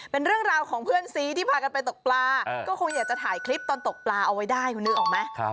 เป็นเรื่องราวของเพื่อนซีที่พากันไปตกปลาก็คงอยากจะถ่ายคลิปตอนตกปลาเอาไว้ได้คุณนึกออกไหม